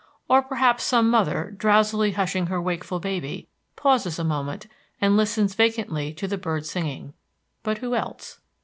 Or perhaps some mother, drowsily hushing her wakeful baby, pauses a moment and listens vacantly to the birds singing. But who else?